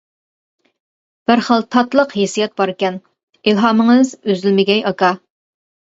بىر خىل تاتلىق ھېسسىيات باركەن. ئىلھامىڭىز ئۈزۈلمىگەي ئاكا!